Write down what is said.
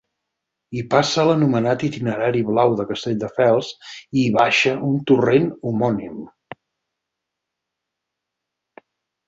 Hi passa l'anomenat itinerari blau de Castelldefels i hi baixa un torrent homònim.